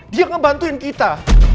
dia ngebantuin kita